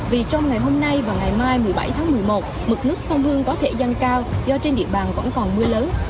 vì trong ngày hôm nay và ngày mai một mươi bảy tháng một mươi một mực nước sông hương có thể giăng cao do trên địa bàn vẫn còn mưa lớn